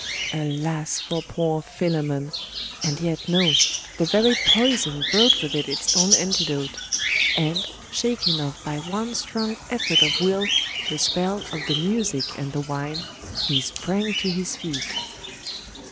Alas, for poor Philammon! And yet no! The very poison brought with it its own anti dote; and, shaking off by one strong effort of will the spell of the music and the wine, he sprang to his feet....